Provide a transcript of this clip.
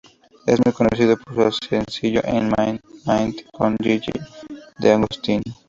Es muy conocido por su sencillo "In My Mind" con Gigi D'Agostino.